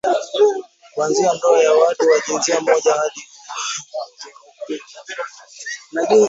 kuanzia ndoa za watu wa jinsia moja hadi kuwahukumu